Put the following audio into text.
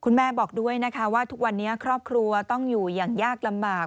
บอกด้วยนะคะว่าทุกวันนี้ครอบครัวต้องอยู่อย่างยากลำบาก